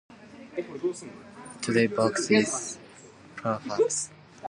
Today Box is perhaps better known for its Brunel-designed Box railway tunnel.